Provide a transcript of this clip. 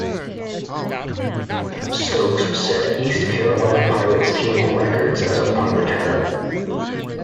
Stokes set East Carolina Pirates team records as a punt returner.